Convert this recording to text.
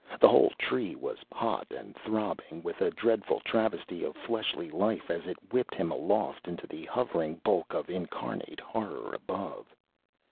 The whole Tree was hot and throbbing with a dreadful travesty of fleshly life as it whipped him aloft into the hovering bulk of incarnate horror above.